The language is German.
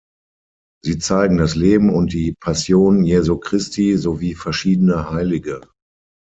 Sie zeigen das Leben und die Passion Jesu Christi sowie verschiedene Heilige.